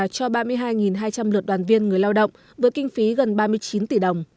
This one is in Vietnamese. cho ba mươi hai hai trăm linh lượt đoàn viên người lao động với kinh phí gần ba mươi chín tỷ đồng